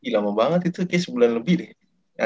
lama banget itu sebulan lebih deh